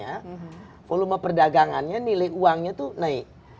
kalau belum memperdagangannya nilai uangnya itu naik